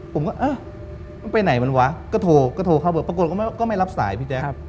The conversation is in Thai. ผมก็ไปไหนมันวะก็โทรก็โทรเข้าเบอร์ปรากฏก็ไม่รับสายพี่แจ๊ค